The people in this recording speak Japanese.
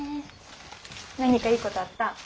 何かいいことあった？